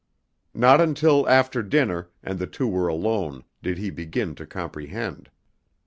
Not until after dinner, and the two were alone, did he begin to comprehend.